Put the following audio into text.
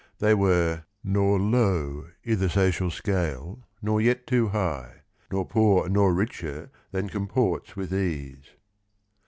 They were "Nor low i' the social scale nor yet too high, Nor poor nor richer than comports with ease."